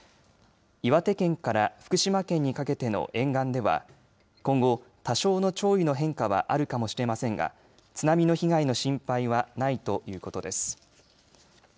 岩手県から福島県にかけての沿岸では今後、多少の潮位の変化はあるかもしれませんが津波の被害の心配はないということです。